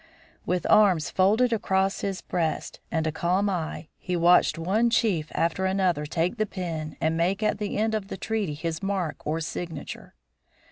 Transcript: With arms folded across his breast and a calm eye he watched one chief after another take the pen and make at the end of the treaty his mark or signature.